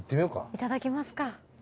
いただきますか。